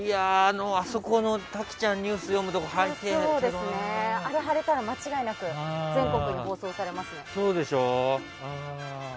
滝ちゃんがニュース読むところにあそこに貼れたら間違いなく全国に放送されますね。